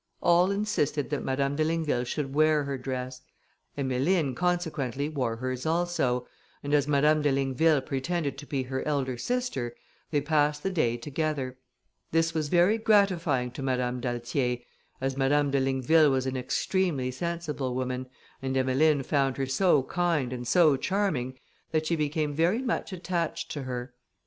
All insisted that Madame de Ligneville should wear her dress; Emmeline, consequently, wore hers also; and as Madame de Ligneville pretended to be her elder sister, they passed the day together. This was very gratifying to Madame d'Altier, as Madame de Ligneville was an extremely sensible woman, and Emmeline found her so kind and so charming, that she became very much attached to her.